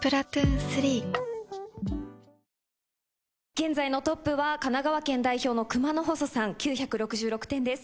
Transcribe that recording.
現在のトップは神奈川県代表の熊之細さん９６６点です。